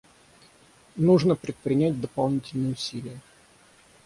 Нужно предпринять дополнительные усилия.